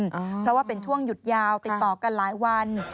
เพราะว่าเป็นช่วงหยุดยาวติดต่อกันหลายวัน